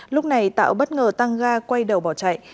lúc này tạo bất ngờ tăng ga quay đầu bỏ chạy